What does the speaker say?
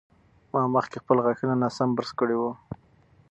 ما مخکې خپل غاښونه ناسم برس کړي وو.